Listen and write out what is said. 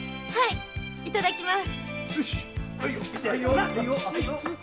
いただきます。